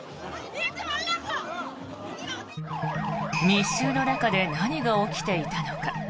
密集の中で何が起きていたのか。